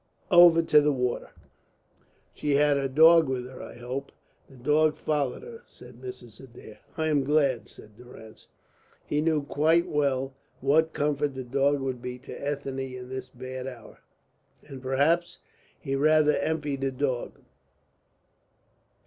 "Over to the water." "She had her dog with her, I hope." "The dog followed her," said Mrs. Adair. "I am glad," said Durrance. He knew quite well what comfort the dog would be to Ethne in this bad hour, and perhaps he rather envied the dog.